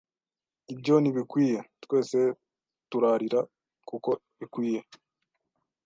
“Ibyo ntibikwiye!” twese turarira kuko bikwiye